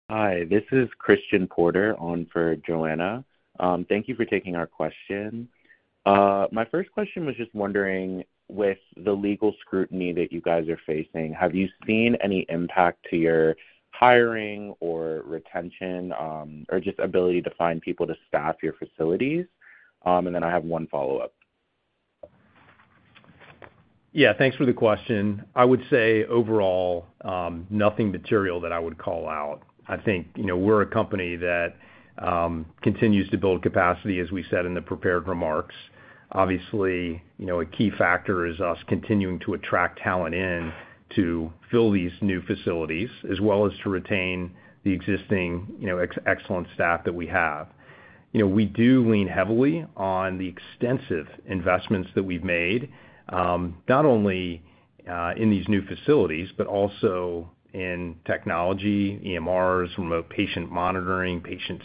Hi. This is Christian Porter on for Joanna. Thank you for taking our question. My first question was just wondering, with the legal scrutiny that you guys are facing, have you seen any impact to your hiring or retention or just ability to find people to staff your facilities? And then I have one follow-up. Yeah. Thanks for the question. I would say overall, nothing material that I would call out. I think we're a company that continues to build capacity, as we said in the prepared remarks. Obviously, a key factor is us continuing to attract talent into fill these new facilities as well as to retain the existing excellent staff that we have. We do lean heavily on the extensive investments that we've made, not only in these new facilities but also in technology, EMRs, remote patient monitoring, patient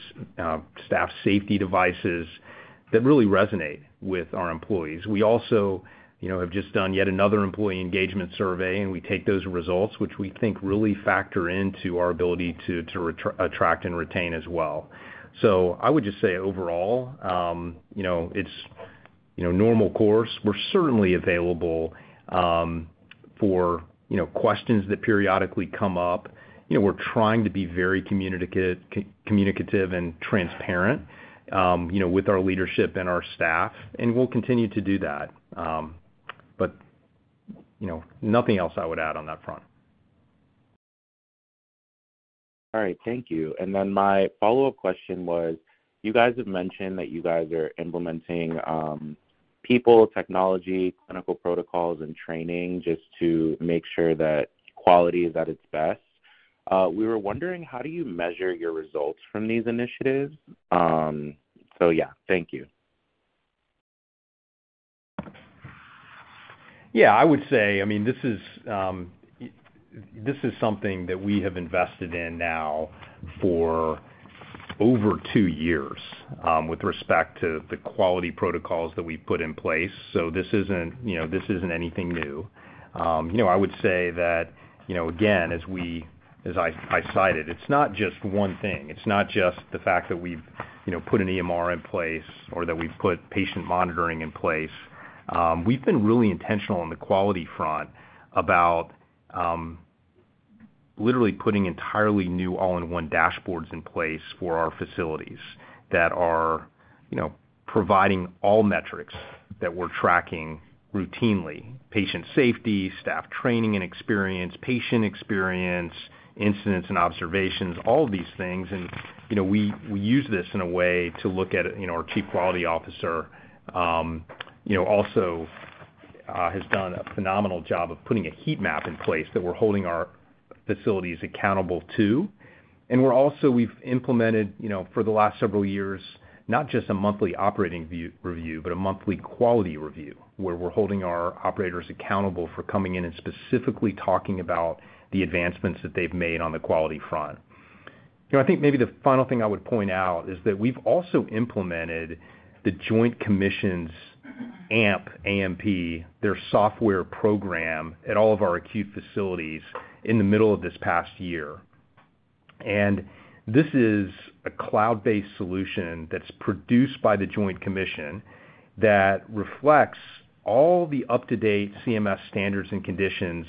staff safety devices that really resonate with our employees. We also have just done yet another employee engagement survey, and we take those results, which we think really factor into our ability to attract and retain as well. So I would just say overall, it's normal course. We're certainly available for questions that periodically come up. We're trying to be very communicative and transparent with our leadership and our staff, and we'll continue to do that. But nothing else I would add on that front. All right. Thank you. And then my follow-up question was, you guys have mentioned that you guys are implementing people, technology, clinical protocols, and training just to make sure that quality is at its best. We were wondering, how do you measure your results from these initiatives? So yeah, thank you. Yeah. I would say, I mean, this is something that we have invested in now for over two years with respect to the quality protocols that we've put in place. So this isn't anything new. I would say that, again, as I cited, it's not just one thing. It's not just the fact that we've put an EMR in place or that we've put patient monitoring in place. We've been really intentional on the quality front about literally putting entirely new all-in-one dashboards in place for our facilities that are providing all metrics that we're tracking routinely: patient safety, staff training and experience, patient experience, incidents and observations, all of these things, and we use this in a way to look at, our Chief Quality Officer also has done a phenomenal job of putting a heat map in place that we're holding our facilities accountable to, and we've implemented for the last several years, not just a monthly operating review, but a monthly quality review where we're holding our operators accountable for coming in and specifically talking about the advancements that they've made on the quality front. I think maybe the final thing I would point out is that we've also implemented the Joint Commission's AMP, A-M-P, their software program at all of our acute facilities in the middle of this past year, and this is a cloud-based solution that's produced by the Joint Commission that reflects all the up-to-date CMS standards and conditions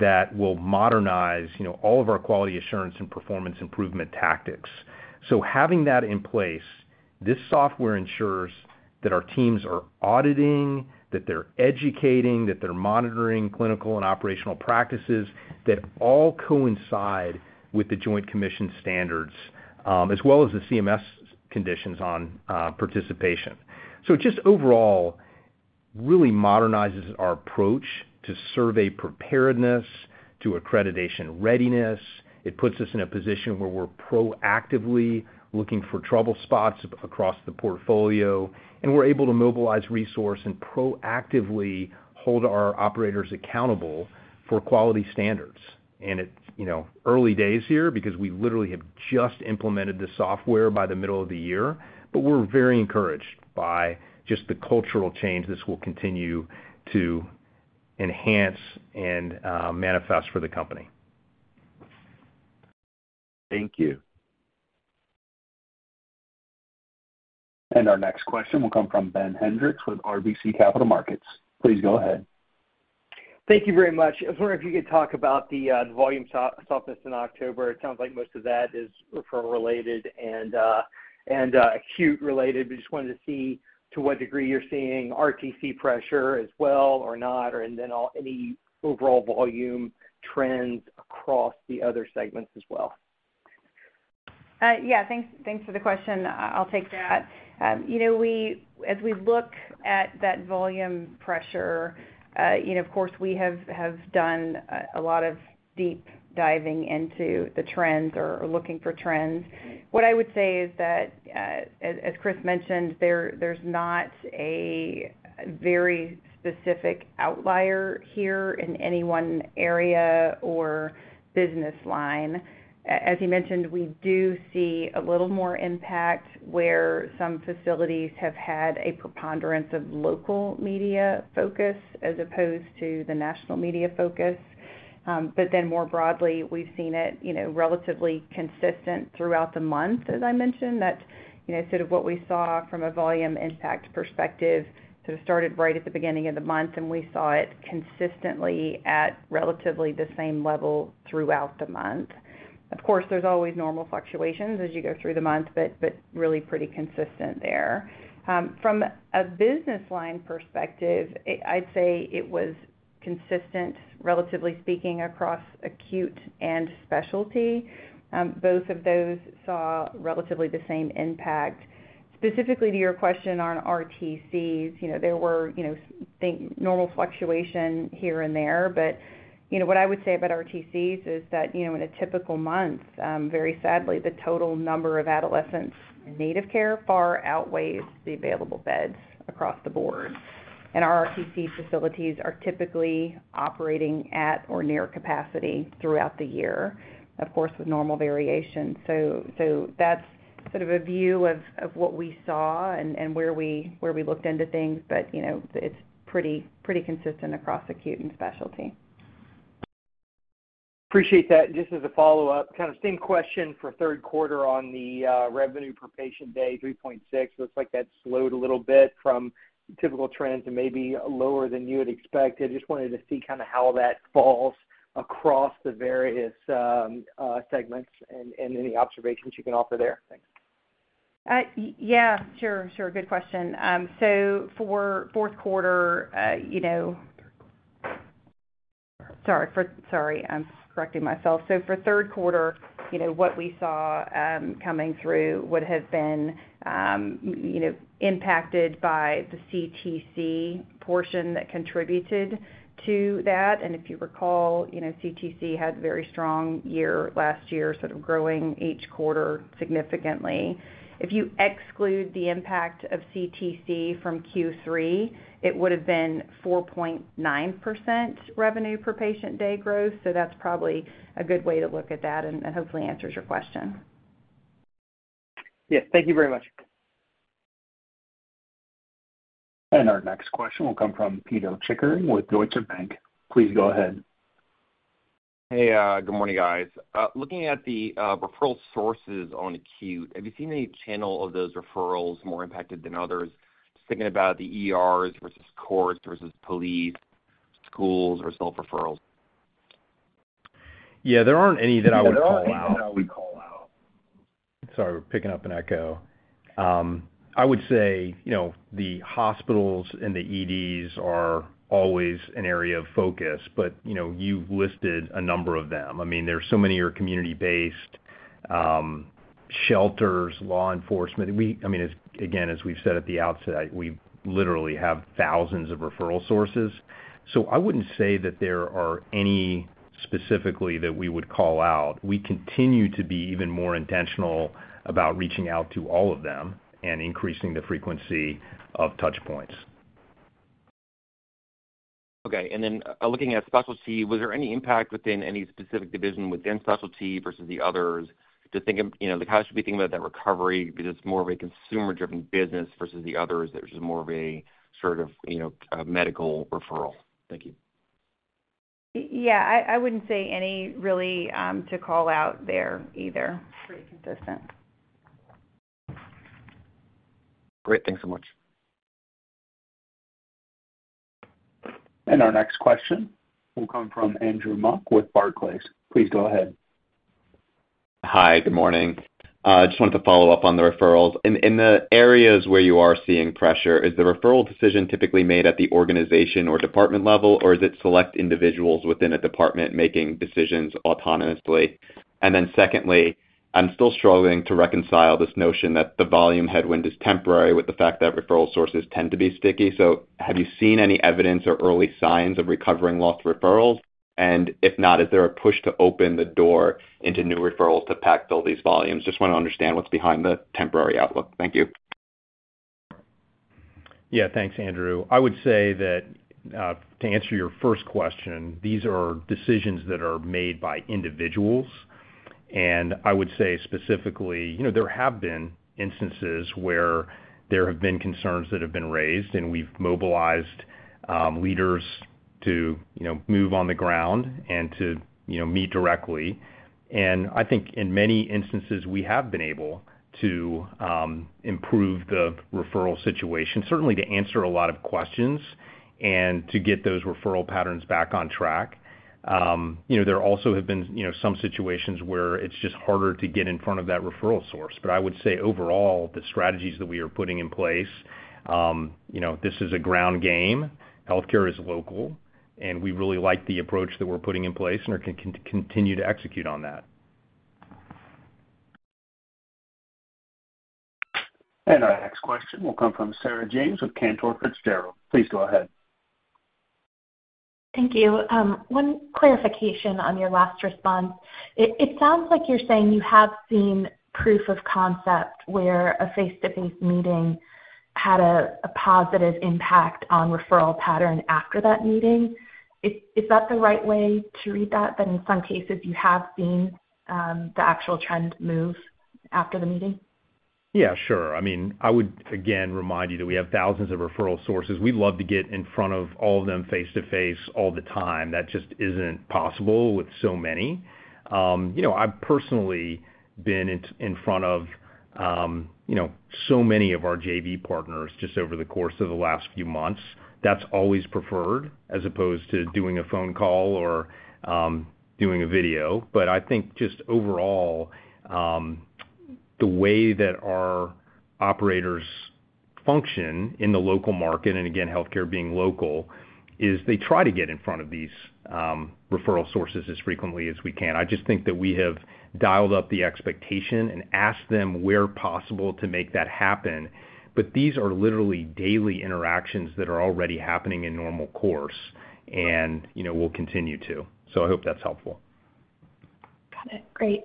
that will modernize all of our quality assurance and performance improvement tactics, so having that in place, this software ensures that our teams are auditing, that they're educating, that they're monitoring clinical and operational practices that all coincide with the Joint Commission standards as well as the CMS Conditions of Participation, so just overall, really modernizes our approach to survey preparedness, to accreditation readiness. It puts us in a position where we're proactively looking for trouble spots across the portfolio, and we're able to mobilize resource and proactively hold our operators accountable for quality standards. And it's early days here because we literally have just implemented the software by the middle of the year. But we're very encouraged by just the cultural change this will continue to enhance and manifest for the company. Thank you. And our next question will come from Ben Hendrix with RBC Capital Markets. Please go ahead. Thank you very much. I was wondering if you could talk about the volume softness in October. It sounds like most of that is referral-related and acute-related. But just wanted to see to what degree you're seeing RTC pressure as well or not, and then any overall volume trends across the other segments as well. Yeah. Thanks for the question. I'll take that. As we look at that volume pressure, of course, we have done a lot of deep diving into the trends or looking for trends. What I would say is that, as Chris mentioned, there's not a very specific outlier here in any one area or business line. As you mentioned, we do see a little more impact where some facilities have had a preponderance of local media focus as opposed to the national media focus, but then more broadly, we've seen it relatively consistent throughout the month, as I mentioned, that sort of what we saw from a volume impact perspective sort of started right at the beginning of the month, and we saw it consistently at relatively the same level throughout the month. Of course, there's always normal fluctuations as you go through the month, but really pretty consistent there. From a business line perspective, I'd say it was consistent, relatively speaking, across acute and specialty. Both of those saw relatively the same impact. Specifically to your question on RTCs, there were normal fluctuations here and there, but what I would say about RTCs is that in a typical month, very sadly, the total number of adolescents in need of care far outweighs the available beds across the board, and our RTC facilities are typically operating at or near capacity throughout the year, of course, with normal variation, so that's sort of a view of what we saw and where we looked into things, but it's pretty consistent across acute and specialty. Appreciate that. Just as a follow-up, kind of same question for third quarter on the revenue per patient day, 3.6%. Looks like that slowed a little bit from typical trends and maybe lower than you had expected. Just wanted to see kind of how that falls across the various segments and any observations you can offer there. Thanks. Yeah. Sure. Sure. Good question. So for fourth quarter, sorry. Sorry. I'm correcting myself. So for third quarter, what we saw coming through would have been impacted by the CTC portion that contributed to that. And if you recall, CTC had a very strong year last year, sort of growing each quarter significantly. If you exclude the impact of CTC from Q3, it would have been 4.9% revenue per patient day growth. So that's probably a good way to look at that and hopefully answers your question. Yes. Thank you very much. And our next question will come from Pito Chickering with Deutsche Bank. Please go ahead. Hey. Good morning, guys. Looking at the referral sources on acute, have you seen any channel of those referrals more impacted than others? Just thinking about the ERs versus courts versus police, schools, or self-referrals. Yeah. There aren't any that I would call out. Sorry. We're picking up an echo. I would say the hospitals and the EDs are always an area of focus, but you've listed a number of them. I mean, there's so many that are community-based, shelters, law enforcement. I mean, again, as we've said at the outset, we literally have thousands of referral sources. So I wouldn't say that there are any specifically that we would call out. We continue to be even more intentional about reaching out to all of them and increasing the frequency of touchpoints. Okay, and then looking at specialty, was there any impact within any specific division within specialty versus the others? Just think of how should we think about that recovery? Is this more of a consumer-driven business versus the others that are just more of a sort of medical referral? Thank you. Yeah. I wouldn't say any really to call out there either. Pretty consistent. Great. Thanks so much. And our next question will come from Andrew Mok with Barclays. Please go ahead. Hi. Good morning. Just wanted to follow up on the referrals. In the areas where you are seeing pressure, is the referral decision typically made at the organization or department level, or is it select individuals within a department making decisions autonomously? And then secondly, I'm still struggling to reconcile this notion that the volume headwind is temporary with the fact that referral sources tend to be sticky. So have you seen any evidence or early signs of recovering lost referrals? And if not, is there a push to open the door into new referrals to backfill these volumes? Just want to understand what's behind the temporary outlook. Thank you. Yeah. Thanks, Andrew. I would say that to answer your first question, these are decisions that are made by individuals. And I would say specifically, there have been instances where there have been concerns that have been raised, and we've mobilized leaders to move on the ground and to meet directly. And I think in many instances, we have been able to improve the referral situation, certainly to answer a lot of questions and to get those referral patterns back on track. There also have been some situations where it's just harder to get in front of that referral source. But I would say overall, the strategies that we are putting in place. This is a ground game. Healthcare is local, and we really like the approach that we're putting in place and are going to continue to execute on that. And our next question will come from Sarah James with Cantor Fitzgerald. Please go ahead. Thank you. One clarification on your last response. It sounds like you're saying you have seen proof of concept where a face-to-face meeting had a positive impact on referral pattern after that meeting. Is that the right way to read that? That in some cases, you have seen the actual trend move after the meeting? Yeah. Sure. I mean, I would again remind you that we have thousands of referral sources. We'd love to get in front of all of them face-to-face all the time. That just isn't possible with so many. I've personally been in front of so many of our JV partners just over the course of the last few months. That's always preferred as opposed to doing a phone call or doing a video. But I think just overall, the way that our operators function in the local market, and again, healthcare being local, is they try to get in front of these referral sources as frequently as we can. I just think that we have dialed up the expectation and asked them where possible to make that happen. But these are literally daily interactions that are already happening in normal course and will continue to. So I hope that's helpful. Got it. Great.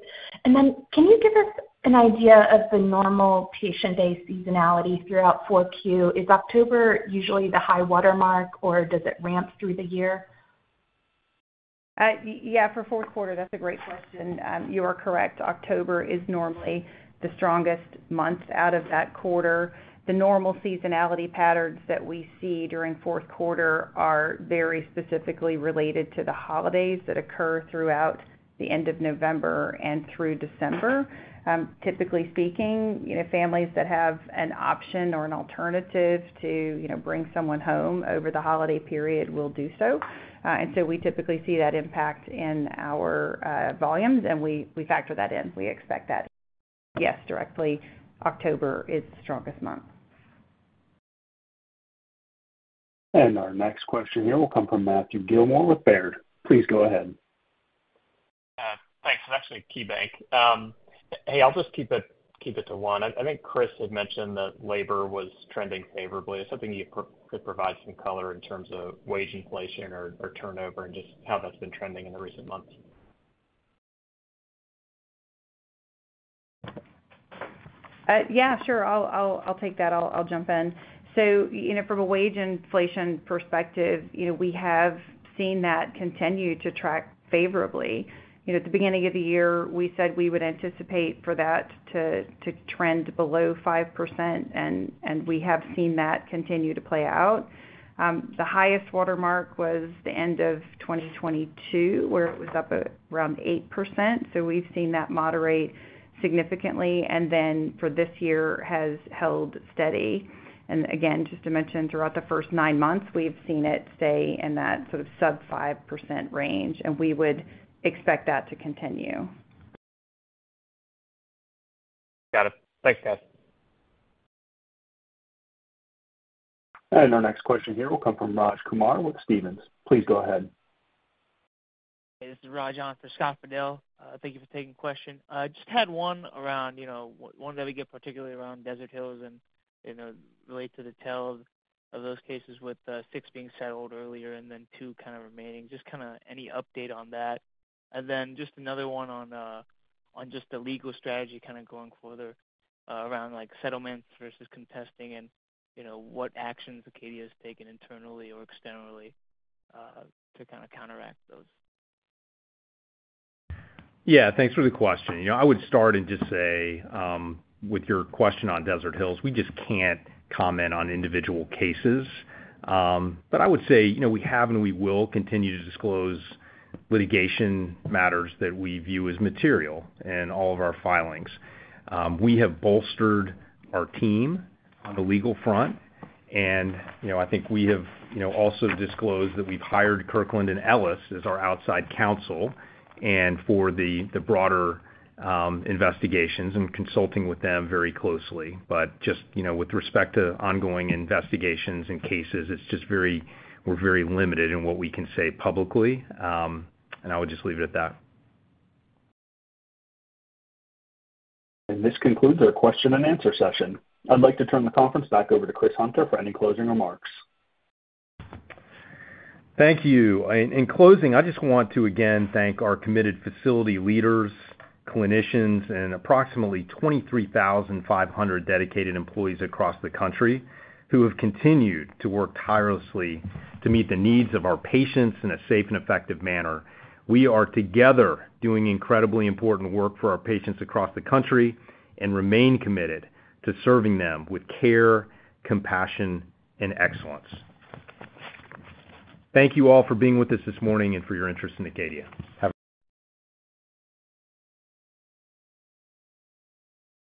And then can you give us an idea of the normal patient-day seasonality throughout 4Q? Is October usually the high watermark, or does it ramp through the year? Yeah. For fourth quarter, that's a great question. You are correct. October is normally the strongest month out of that quarter. The normal seasonality patterns that we see during fourth quarter are very specifically related to the holidays that occur throughout the end of November and through December. Typically speaking, families that have an option or an alternative to bring someone home over the holiday period will do so. And so we typically see that impact in our volumes, and we factor that in. We expect that. Yes, directly, October is the strongest month. And our next question here will come from Matt Gillmor with KeyBanc Capital Markets. Please go ahead. Thanks. It's actually KeyBanc. Hey, I'll just keep it to one. I think Chris had mentioned that labor was trending favorably. Is there something you could provide some color in terms of wage inflation or turnover and just how that's been trending in the recent months? Yeah. Sure. I'll take that. I'll jump in. So from a wage inflation perspective, we have seen that continue to track favorably. At the beginning of the year, we said we would anticipate for that to trend below 5%, and we have seen that continue to play out. The highest watermark was the end of 2022, where it was up around 8%. So we've seen that moderate significantly, and then for this year has held steady. And again, just to mention, throughout the first nine months, we've seen it stay in that sort of sub-5% range, and we would expect that to continue. Got it. Thanks, guys. And our next question here will come from Raj Kumar with Stephens. Please go ahead. This is Raj on for Scott Fidel. Thank you for taking the question. Just had one around one that we get particularly around Desert Hills and related to the toll of those cases with six being settled earlier and then two kind of remaining. Just kind of any update on that. And then just another one on just the legal strategy kind of going further around settlements versus contesting and what actions Acadia has taken internally or externally to kind of counteract those. Yeah. Thanks for the question. I would start and just say with your question on Desert Hills, we just can't comment on individual cases. But I would say we have and we will continue to disclose litigation matters that we view as material in all of our filings. We have bolstered our team on the legal front, and I think we have also disclosed that we've hired Kirkland & Ellis as our outside counsel and for the broader investigations and consulting with them very closely. But just with respect to ongoing investigations and cases, it's just, we're very limited in what we can say publicly, and I would just leave it at that and This concludes our question and answer session. I'd like to turn the conference back over to Chris Hunter for any closing remarks. Thank you. In closing, I just want to again thank our committed facility leaders, clinicians, and approximately 23,500 dedicated employees across the country who have continued to work tirelessly to meet the needs of our patients in a safe and effective manner. We are together doing incredibly important work for our patients across the country and remain committed to serving them with care, compassion, and excellence. Thank you all for being with us this morning and for your interest in Acadia. Have a great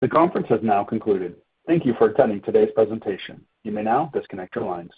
day. The conference has now concluded. Thank you for attending today's presentation. You may now disconnect your lines.